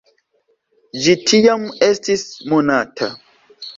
Ĝi tiam estis monata.